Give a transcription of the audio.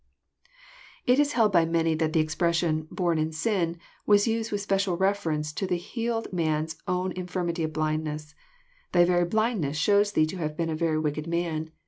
It is held by many that the expression, bom in sin," was used with special reference to the healed man's old infirmity of blindness. '* Thy very blindness shows thee to have been a very wicked man.